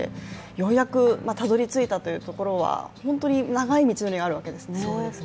ようやくたどり着いたというところは長い道のりがあるというわけですね。